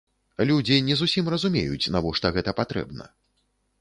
Людзі не зусім разумеюць, навошта гэта патрэбна.